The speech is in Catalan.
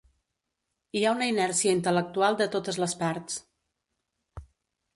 Hi ha una inèrcia intel·lectual de totes les parts.